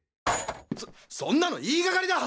そそんなの言いがかりだ！